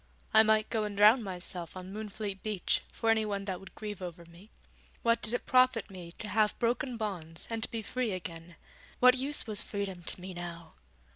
I might go and drown myself on Moonfleet beach, for anyone that would grieve over me. What did it profit me to have broken bonds and to be free again? what use was freedom to me now?